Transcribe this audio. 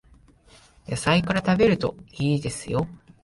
野菜から食べるといいですよ